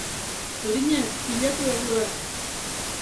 Zuriñe, pilatu egurra.